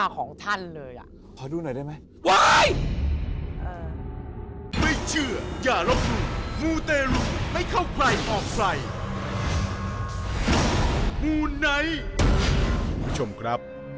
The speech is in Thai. คุณผู้ชมครับ